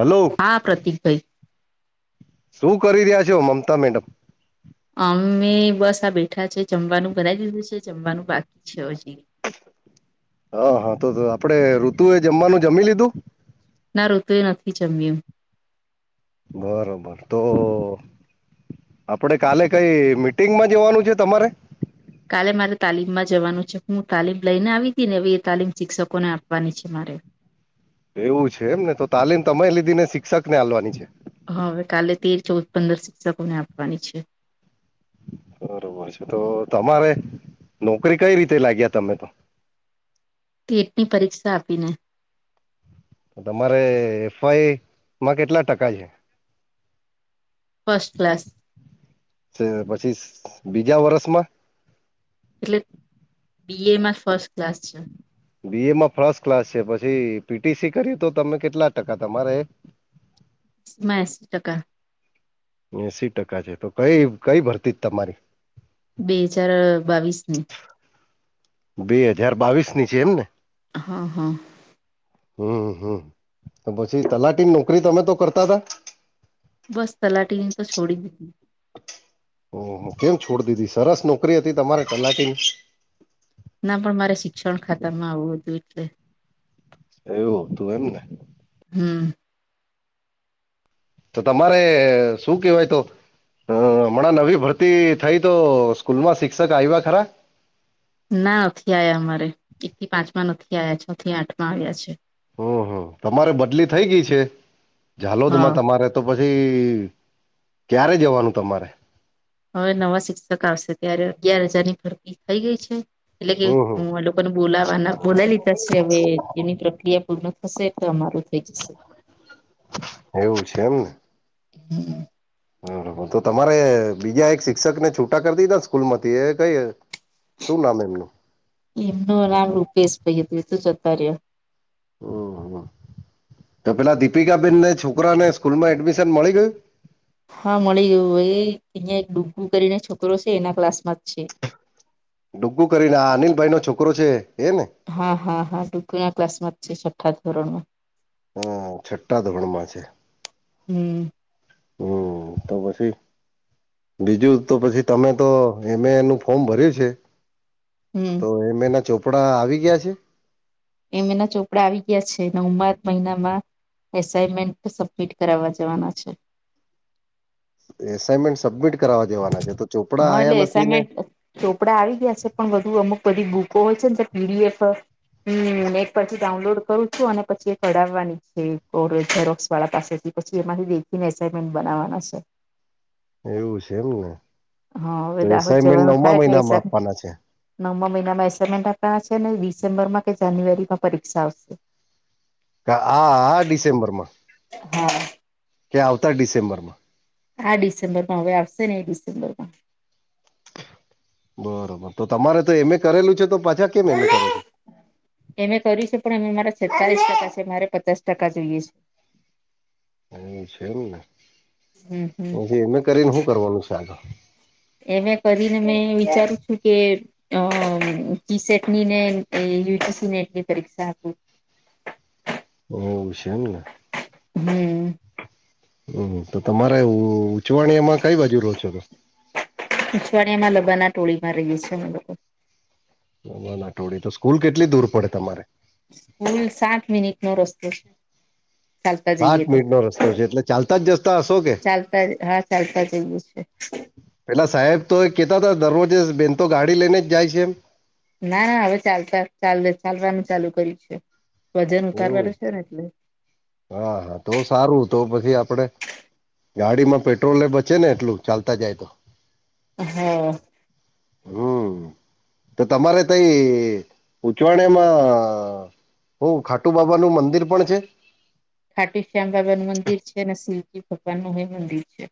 Hello હા પ્રતિક ભાઈ શું કરી રહ્યા છે મમતા મેડમ અમે બસ આ બેઠા છે જમવાનું બનાવી દીધું છે જમવાનું બાકી છે હજી હા હા તો આપડે ઋતુ એ જમવાનું જમી લીધું ના ઋતુ એ નથી જમ્યું બરોબર તો આપડે કાલે કઈ મીટિંગમાં જવાનું છે તમારે કાલે મારે તાલીમમાં જવાનું છે હું તાલીમ લઈને આવી હતી ને એ એ તાલીમ શિક્ષકોને આપવાની છે મારે એવું છે એમ ને તો તાલીમ તમે લીધી ને શિક્ષક ને આપવાની છે હા હવે કાલે તેર ચૌદ પંદર શિક્ષકોને આપવાની છે બરોબર છે તો તમારે નોકરી કઈ રીતે લાગ્યા તમે તો ટેટની પરીક્ષા આપીને તો તમારે એફઆઈ માં કેટલા ટકા છે ફસ્ટ ક્લાસ પછી બીજા વરષમાં એટલે બી એમાં ફર્સ્ટ ક્લાસ છે બી એમાં ફર્સ્ટ ક્લાસ છે પછી પીટીસી કર્યું તો તમે કેટલા ટકા તમારે એશી ટકા એસી ટકા છે તો કઈ કઈ ભરતી જ તમારી બે હજાર બાવીસ ની બે હજાર બાવીસ ની છે એમ ને હા હા હમ હમ તો પછી તલાટીની નોકરી તમે તો કરતા હતાા બસ તલાટીની તો છોડી દીધી ઓ કેમ છોડી દીધી સરસ નોકરી હતી તમારે તલાટીની ના પણ મારે શિક્ષણ ખાતા માં આવું હતું એટલે એવું તું એમ ને હમ તો તમારે શું કહેવાય તો હ હમણાં નવી ભરતી થઈ તો સ્કૂલ માં શિક્ષક આવ્યા ખરા? ના નથી આયા અમારે એક થી પાંચમાં નથી આયા છ થી આઠ માં આવ્યા છે. હમ હમ તમારે બદલી થઈ ગઈ છે હા ઝાલોદમાં તમારે તો પછી ક્યારે જવાનું તમારે? હવે નવા શિક્ષક આવશે ત્યારે અગિયાર હજાર ની ભરતી થઈ ગઈ છે એટલે કે હમ હમ હુ બોલાવાના બોલાઈ લીધા છે, હવે એની પ્રક્રિયા પૂર્ણ થશે તો અમાર થઈ જશે એવું હમ હ હ તો તમારે બીજા એક શિક્ષક ને છૂટા કરી દીધાને સ્કૂલ માંથી એ કઈ શું નામ એમનું? એમ નું નામ રૂપેશભાઈ હતું, એ તો જતા રહ્યા. હા હ ઓ તો પેલા દીપિકાબેનને છોકરા ને સ્કૂલમાં એડમિશન મળી ગયું? હા મળી ગયું ભાઈ અહિયાં એક ડૂગગું કરીને છોકરો છે એના ક્લાસમાં જ છે. ડૂગું કરીને આ અનિલ ભાઈ નો છોકરો છે એ ને? હા હા હા ડુગુ ના ક્લાસમાં જ છે, છઠ્ઠા ધોરણમાં. હ છઠ્ઠા ધોરણ માં છે. હમ. હ તો પછી બીજું તો પછી તમે તો એમ એ એ નું ફોર્મ ભર્યું છે હમ તો એમ એ ના ચોપડા આવી ગયા છે? એમ એ ના ચોપડા આવી ગયા છે નવમાં જ મહિનામાં એસાાઈનમેન્ટ સબમિટ કરાવા જવાના છે. એસાાઈનમેન્ટ સબમિટ કરવા દેવાના છે તો ચોપડા હા આયા એટલે નથી ને. એસાઇનમેન્ટ ચોપડા આવી ગયા છે પણ બધુ અમુક બધી બુકો હોય છે ને તો પીડીએફ હમ નેટ પરથી ડાઉનલોડ કરું છું, અને પછી એ કઢાવવાની છે, ઝેરોક્સ વાળા પાસેથી પછી એમાંથી દેખીને એસાાઈનમેન્ટ બનાવવાના છે. એવું છે એમને, હા તો હવે દાહોદ એસાઈમેન્ટ જવાનું થાય નવમા એટલે મહિનામાં એસા આપવાના છે. નવમા મહિનામાં એસાઈમેન્ટ આપવાના છે, ને ડિસેમ્બરમાં કે જાન્યુઆરીમાં પરીક્ષા આવશે. [inaudible] આ ડિસેમ્બરમાં, હા કે આવતા ડિસેમ્બર માં? આ ડિસેમ્બર માં હવે આવશે ને એ ડિસેમ્બર માં. બરોબર તો તમારે તો એમે કરેલું છે, તો પાછા કેમ એમે કરો છો? એમે કર્યું છે પણ અમે મારા સતાલીસ ટકા છે મારે પચાસ ટકા જોઈએ છે એમ છે એમ ને હમ હમ પછી એમે કરીને શું કરવાનું છે આગળ? એમે કરીને મેં વિચારું છું કે અ ટીસેટની ને યુટીસી નેટની પરીક્ષા આપું [inaudible] એવુ છે એમને હમ હમ તો તમારા ઉચવાણીમાં કઈ બાજુ રહો છો? અછવાડિયામાં લબાના ટોળીમાં રહીએ છે અમે લો નાટોડી તો સ્કૂલ કેટલી દૂર પડે તમારે? કુલ સાત મિનિટ નો રસ્તો છે. ચાલતા સાત જઈએ તો મિનિટ નો રસ્તો છે એટલે ચાલતા જ જતા હશો કે ચાલતા હા ચાલતા જઈ છે પેલા સાહેબ તો કેહેતા હતા દરરોજે બેન તો ગાડી લઈને જ જાય છે એમ. ના ના હવે ચાલતા ચાલ ચાલવાનું ચાલુ કર્યું છે વજન એવું ઉારવાનું છે ને એટલે. હા હા તો સારું તો પછી આપડે ગાડી માં પેટ્રોલને બચે ને એટલું ચાલતા જાય તો. હા હમ તો તમારે કઈ ઉંચવાળમાં હ ખાટુ બાબાનુંું મંદિર પણ છે ખાટી શ્યામ બાબા નું મંદિર છે અને શિવજી ભગવાન નું એ મંદિર છે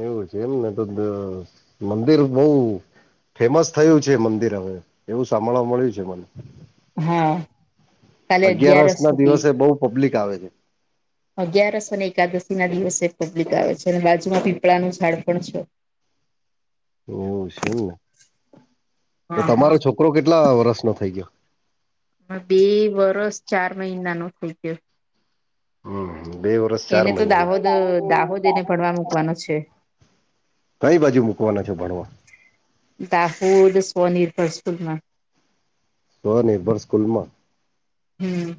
એવું છે એમને તો મંદિર બહ ફેમસ થયું છે મંદિર હવે એવું સાંભળવા મળ્યું છે મને હા કાલે અગિયારસ ના હતી દિવસે બહ પબ્લિક આવે છે અગિયારસ અને એકાદશી ના દિવસે પબ્લિક આવે છે અને બાજુમાં પીપળાનું ઝાડ પણ છે એવું છે એમને તો હા તમારો હા છોકરો કેટલા વર્ષ નો થઈ ગયો હ બે વરસ ચાર મહિના નો થઇ ગયો હમ બે ચાર એને તો મહિના દાહોદ દાહોદ એને ભણવા મૂકવાનો છે કઈ બાજુ મૂકવાના છો ભણવાો દાહોદ સ્વનિર્ભર સ્કૂલમાં સ્વનિર્ભર સ્કૂલ માં હમ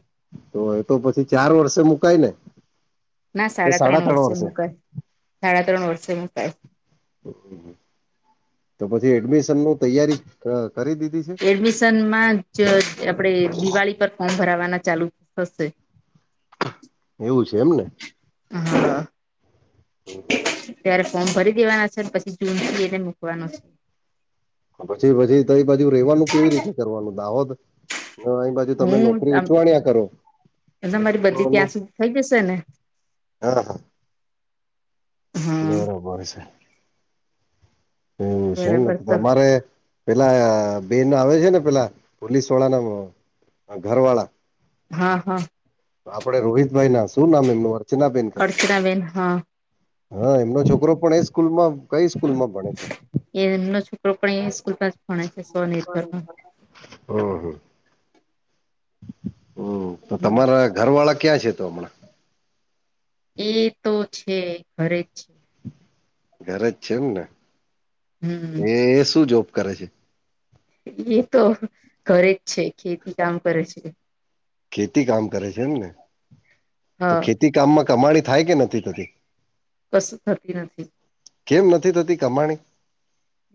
તો એ તો પછી ચાર વર્ષે મુકાય ને ના સાડા ત્રણ વર્ષે મુું કઈ સાડા ત્રણ વર્ષે મુું કઈ તો પછી એડમિશન ન તૈયારી કરી દીધી છે એડમિશનમાં જ આપણેે દિવાળી પર ફોર્મ ભરાવાના ચાલુ થશે એવું છે એમને હા ત્યારે ફોર્મ ભરી દેવાના છે પછી જૂનથી એને મૂકવાનો છે પછી પછી તો બાજુ રેવાનું કેવી રીતે કરવાનું દાવોદ બાજુ તમે હું નોકરી આમ ઉચવાણિયા કરો અને તમારી બધી છોકરોનું ત્યાં સુધી થઈ જશે ને હા હા હા બરોબર છે હમ છેમ બરાબર નથી તો તમારે પેલા બે ન આવે છે ને પેલા પોલીસ વાળા ના ઘર વાળા હા હા આપડે રોહિતભાઈ ના શું નામ એમનુંર્ અર્ચના બેેન કરીરી અર્ચનાબેન હા હા એમનો છોકરો પણ એ સ્કૂલમાં કઈ સ્કૂલમાં ભણે છે એ એમનો છોકરો પણ એ સ્કૂલ જ ભણે છે સ્વનિર્ભરમાં હમ હા હમ તો તમારા ઘર વાળા ક્યાં છે તો હમણાં એ તો છે ખરે જ છે ઘરે જ છે એમને એ હમ શું જોબ કરે છે એ તો ઘરે જ છે ખેતી કામ કરે છે ખેતી કામ કરે છે એમ ને તો હા ખેતી કામમાં કમાણી થાય કે નથી થતી કશું થતી નથી કેમ નથી થતી કમાણી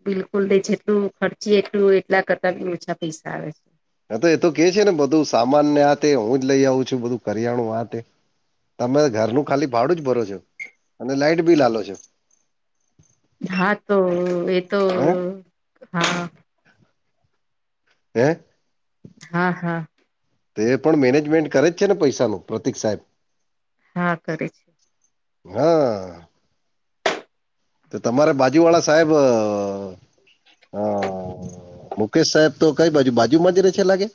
બિલકુલ ન જેટલું ખર્ચી એટલું એટલા કરતા ઓછા પૈસા આવે છે હ તો એ તો કે છે ને બધું સામાન આથે હું જ લઇ આવું છું બધું કરિયાણું આથે તમે ઘરનું ખાલી ભાડું જ ભરો છો અને લાઈટ બી લાલો છો હા તો એ તો હે હા હે હા હા તે પણ મેનેજમેન્ટ કરે જ છે ને પૈસાનું પ્રતિક સાઈબ હા કરે છે. હા તો તમારે બાજુવાળા સાહેબ હા મુકેશ સાહેબ તો કઈ બાજુ બાજુમાં જ રહે છે લાગે.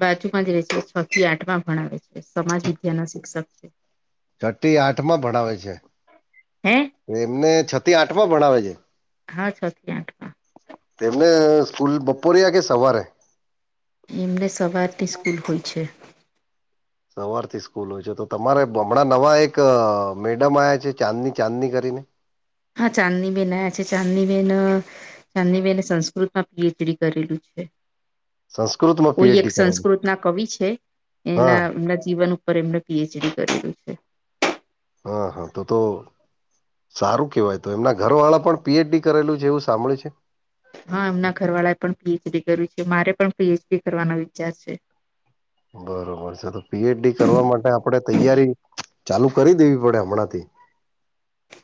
બાજુમાં જ રહે છે છ, થી આઠ માં ભણાવે છે સમાજવિદ્યા ના શિક્ષક છ થી આઠ માં ભણાવે છે. હે એમને છ થી આઠ ભણાવે છે. હા છ થી આઠ તેમને સ્કૂલ બપોર આ કે સવારે એમને સવારથી સ્કૂલ હોય છે. સવારથી સ્કૂલ હોય છે, તો તમારે હમણાં નવા એક મેડમ આવ્યા છે ચાંદની ચાંદની કરીને હા ચાંદની બેેન આયા છે, ચાંદની બેેન ચાંદની બેને સંસ્કૃતમાં પીએચડી કરેલું છે. સંસ્કૃતમાં કોઈ એક પીએચડી કરેલી સંસ્કૃત ના કવિ છે, હા એના એમના જીવન પર એમને પીએચડી કરેયું છે. હા હા તો તો સારું કેવાય તો એમના ઘર વાળા પણ પીએચ ડી કરેલું છે એવું સાંભળ્યું છે. હા એમના ઘરવાળાએ પણ પીએચડી કર્યું છે મારે પણ પીએચડી કરવાનો વિચાર છે. બરોબર છે તો પીએચડી કરવા માટે આપણેે તૈયારી ચાલુ કરી દેવી પડે હમણાં થી.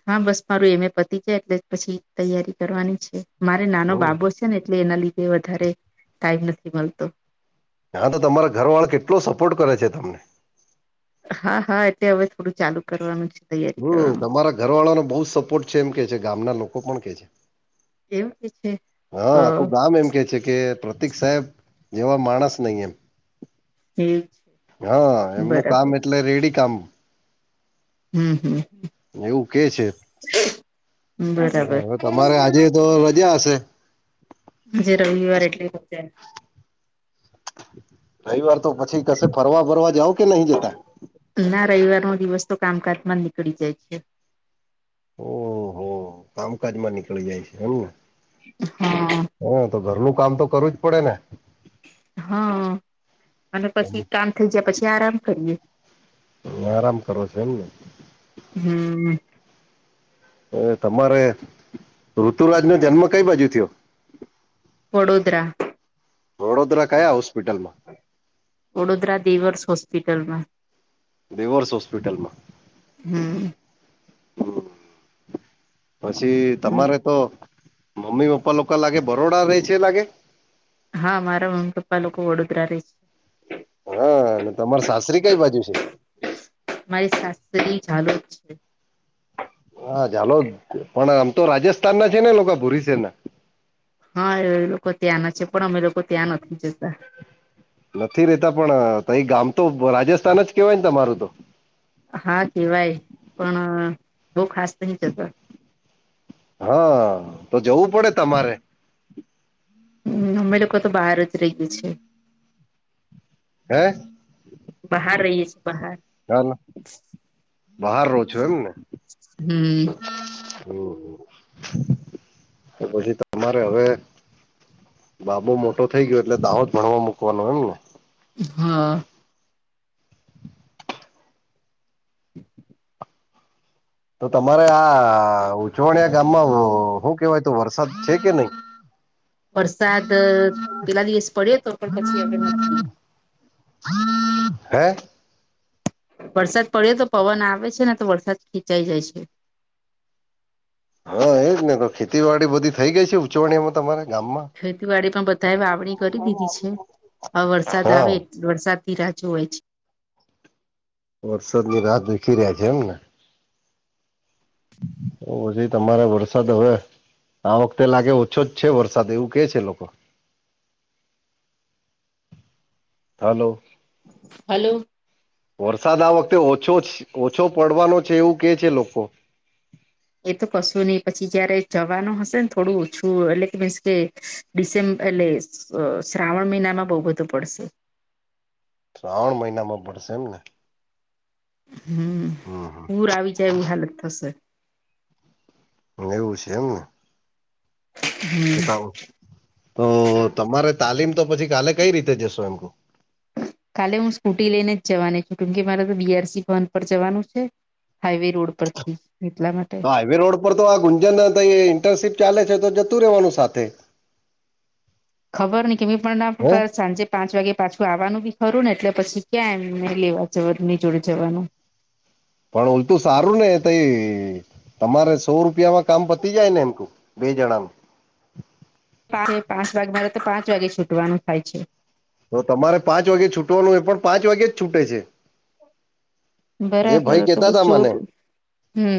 હા બસ મારું એમે પતિ જાય એટલે પછી તૈયારી કરવાની છે, મારે નાનો હમ બાબો છે. ને એટલે એના લીધે વધારે ટાઈમ નથી, મળતો હા તો તમારા ઘર વાળા કેટલો સપોર્ટ કરે છે, તમને હા હા એતે હવે થોડું ચાલુ કરવાનું છે. તૈયારી હમ કરવાનું તમારા ઘરવાળાને બહુ સપોર્ટ છે એમ કે છે, ગામના લોકો પણ કે છે. એવું કે છે હા આખું ગામ એમ કે છે. કે પ્રતીક સાહેબ જેવા માણસ નહી એમ હ એ હા, એમનું બરાબર કામ એટલે રેડી કામ હમ, એવું કે છે હમ બરાબર હવે તમારે આજે તો રજા હશે. જ રવિવાર એટલે વચે રવીવાર તો પછી કશે ફરવા ફરવા જાવ કે નહી જતા. ના રવિવાર નો દિવસ તો કામકાજમાં જ નીકળી જાય છે. ઓહહો કામકાજમાં નીકળી જાય છે, એમને હા. હ તો ઘરનું કામ તો કરવું જ પડે ને. હા અને પછી કામ થઇ જયા પછી આરામ કરીએ આરામ કરો છો, એમને હમ્મ એ તમારે ઋતુરાજ નો જન્મ કઈ બાજુ થયો. વડોદરા વડોદરા કયા હોસ્પિટલમા વડોદરા દેવર્સ હોસ્પિટલમા દેવર્સ હોસ્પિટલમાં હમ હમ. પછી હમ તમારે તો મમ્મી પપ્પા લોકો લાગે બરોડા રે છે, લાગે હા મારા મમ્મી પપ્પા લોકો વડોદરા રહે છે. હા ને તમાર સાસ્ત્રી કઈ બાજુ છે. મારી સાસત્રી ચાલો જ છે. હા ચાલો પણ આમ તો રાજસ્થાન ના છેને, લોકો ભોરસેર ના હા એ લોકો ત્યાં ના છે પણ અમે લોકો ત્યાં નથી જતા નથી રેતા પણ ત એ ગામ તો રાજસ્થાન જ કેવાય ને તમારું તો હા કેવાય પણ બહ ખાસ નહ જતો હા તો જવું પડે તમારે હમ અમે લોકો તો બહાર જ રહી ગએ છેી હે બહાર રહીએ છ છે બહાર ચ બહાર રહો છો એમ ને હમ હહ તો પછી તમારે હવે બાબુ મોટો થઈ ગયો એટલે દાવો જ ભણવા મૂકવાનો એમ ને હા હ તો તમારે આ ઉચવાણિયા ગામમાં શું કેવાય તો વરસાદ છે કે નહી હા વરસાદ પેલા દિવસ પડ્યો હતો પણ પછી હવે નથી હ હે વરસાદ પડ્યો તો પવન આવે છે ને તો વરસાદ ખેંચાઈ જાય છે હા એજ ને તો ખેતીવાડી બધી થઇ ગઈ છે ઉજવણીમાં તમારા ગામ માં ખેતીવાડી પણ બધએ વાવણી કરી દીધી છે હ વરસાદ હા આવે વરસાદ થી રાુ હોય છે ઔર સનીી રાહત દુખી રહ્યા છે એમને [inaudible] ઓ પછી તમારે વરસાદ હવે આ વખતે લાગે ઓછો જ છે વરસાદ એવું કે છે લોકો હાલલો હલો વરસાદ આ વખતે ઓછો ઓછો પડવાનો છે એવું કે છે લોકો એ તો કશું નહી પછી જયારે જવાનું હશે ને થોડું ઓછું એટલે કે મીન્સ કે ડિસેમ્બ એટલે શ્રાવણ મહિનામાં બહુ બધું પડશે ત્રાવણ મહિના માં પડશે એમને હમ પૂર આવી જાય એવું હાલત થશે એવું છે એમ ને હમ બતાવો તો તમારે તાલીમ તો પછી કાલે કઈ રીતે જશો એમ કાલે હું સ્કૂટી લઈને જ જવાની છું કેમ કે મારે તો બીઆરસી ભન પર જવાનું છે હાઈવે રોડ પરથી એટલા માટે તો હાઈવે રોડ પર તો આ ગુંજન ઇન્ટર્નશીપ ચાલે છે તો જતું રહેવાનું સાથે [inaudible] ખબર નહી કે હે પણ સાંજે પાંચ વાગે પાછું આવવાનું બી ખરું ને એટલે પછી ક્યાં એમને લેવા જની જોડે જવાનું પણ ઓલતું સારું ને તઈ તમારે સો રૂપિયામાં કામ પતી જાય ને એમક બે જણા ન પા પાંચ વાગ મારે તો પાંચ વાગે છૂટવાનું થાય છે તો તમારે પાંચ વાગે છૂટવાનું એ પણ પાંચ વાગે જ છૂટે છે એ બરાબર ભાઈ તો કેતા તા જો મને હમ